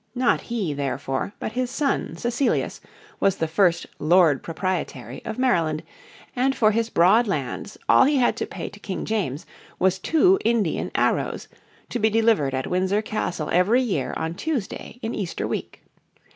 Not he, therefore, but his son, Cecilius, was the first "Lord Proprietary" of Maryland, and for his broad lands all he had to pay to King James was two Indian arrows, to be delivered at Windsor Castle every year on Tuesday in Easter week.